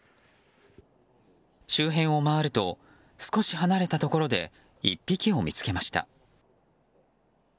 周辺を回ると少し離れたところで１匹を見つけました。